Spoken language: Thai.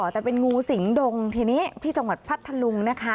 แต่เป็นงูสิงดงทีนี้ที่จังหวัดพัทธลุงนะคะ